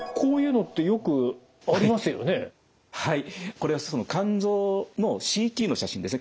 これは肝臓のＣＴの写真ですね。